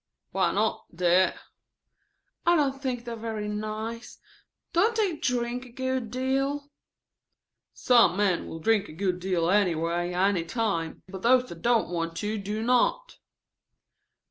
"Why not, dear?" "I don't think they are very nice. Don't they drink a good deal?" "Some men will drink a good deal any way any time, but those that don't want to do not."